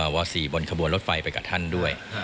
๔บนขบวนรถไฟไปกับท่านด้วย